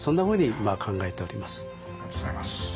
ありがとうございます。